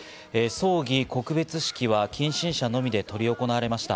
葬儀・告別式は近親者のみで執り行われました。